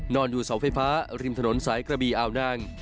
นอนอยู่เสาไฟฟ้าริมถนนสายกระบีอาวนาง